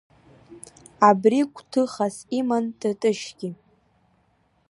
Абри гәҭыхас иман Тытышьгьы.